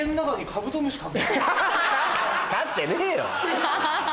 飼ってねえよ！